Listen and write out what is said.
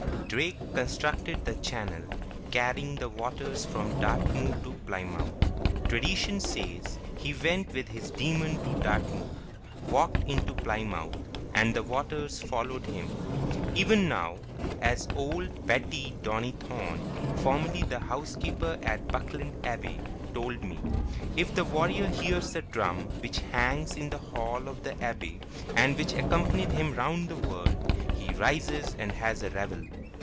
Drake constructed the channel, carrying the waters from Dartmoor to Plymouth. Tradition says he went with his demon to Dartmoor, walked into Plymouth, and the waters followed him. Even now—as old Betty Donithorne, formerly the housekeeper at Buckland Abbey, told me,—if the warrior hears the drum which hangs in the hall of the abbey, and which accompanied him round the world, he rises and has a revel.